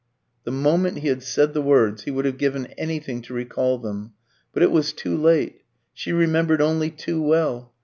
The moment he had said the words, he would have given anything to recall them, but it was too late; she remembered only too well.